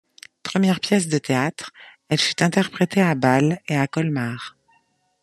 Première pièce de théâtre, elle fut interprétée à Bâle et à Colmar.